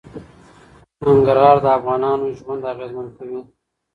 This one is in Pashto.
ننګرهار د افغانانو ژوند اغېزمن کوي.